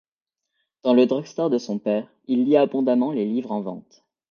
Dans le drugstore de son père, il lit abondamment les livres en vente.